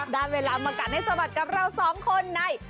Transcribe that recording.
ได้เวลามากัดให้สะบัดกับเราสองคนใน